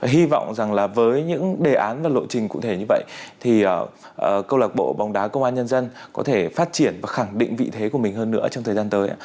hy vọng rằng là với những đề án và lộ trình cụ thể như vậy thì câu lạc bộ bóng đá công an nhân dân có thể phát triển và khẳng định vị thế của mình hơn nữa trong thời gian tới